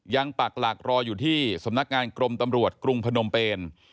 ปักหลักรออยู่ที่สำนักงานกรมตำรวจกรุงพนมเปน